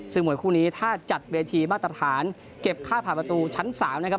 ซึ่งมวยคู่นี้ถ้าจัดเวทีมาตรฐานเก็บค่าผ่านประตูชั้น๓นะครับ